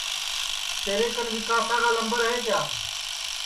تیرے کن ویکاسا کا لمبر ہے کیا